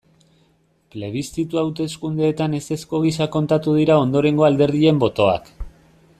Plebiszitu hauteskundeetan ezezko gisa kontatuko dira ondorengo alderdien botoak.